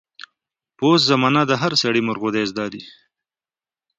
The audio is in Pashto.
په اوس زمانه د هر سړي مورغودۍ زده دي.